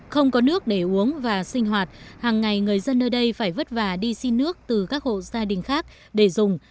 không có nước để uống và sinh hoạt hàng ngày người dân nơi đây phải vất vả đi xin nước từ các hộ gia đình khác để dùng